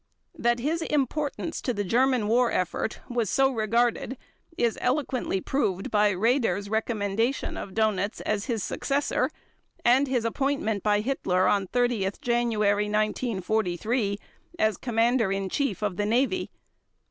That his importance to the German war effort was so regarded is eloquently proved by Raeder's recommendation of Dönitz as his successor and his appointment by Hitler on 30 January 1943 as Commander in Chief of the Navy.